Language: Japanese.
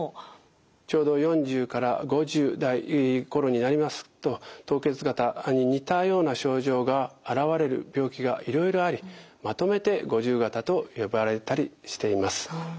ちょうど４０５０代頃になりますと凍結肩に似たような症状が現れる病気がいろいろありまとめて五十肩と呼ばれたりしています。